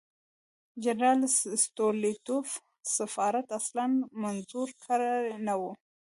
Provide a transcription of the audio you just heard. د جنرال سټولیتوف سفارت اصلاً منظور کړی نه وو.